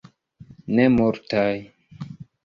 Ne multaj.